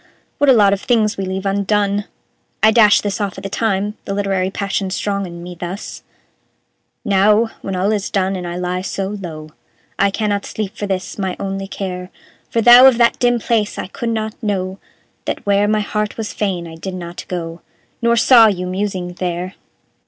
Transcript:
What a lot of things we leave undone! I dashed this off at the time, the literary passion strong in me, thus: "Now, when all is done, and I lie so low, I cannot sleep for this, my only care; For though of that dim place I could not know; That where my heart was fain I did not go, Nor saw you musing there!